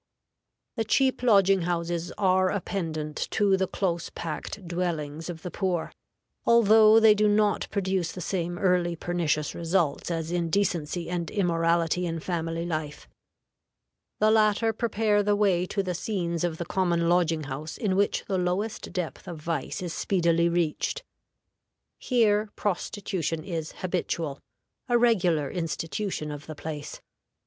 The cheap lodging houses are a pendant to the close packed dwellings of the poor, although they do not produce the same early pernicious results as indecency and immorality in family life. The latter prepare the way to the scenes of the common lodging house, in which the lowest depth of vice is speedily reached. Here prostitution is habitual a regular institution of the place.